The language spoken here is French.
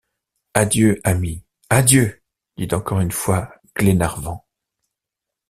Adieu, ami! adieu ! dit encore une fois Glenarvan.